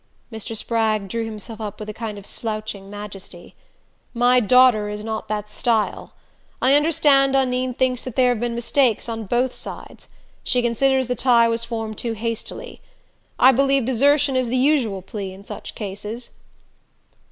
Mr. Spragg drew himself up with a kind of slouching majesty. "My daughter is not that style. I understand Undine thinks there have been mistakes on both sides. She considers the tie was formed too hastily. I believe desertion is the usual plea in such cases."